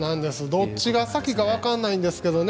どっちが先か分かんないんですけどね。